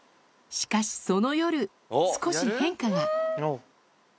しかし、その夜、少し変化が。